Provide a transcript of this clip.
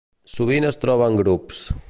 Sovint es troba en grups.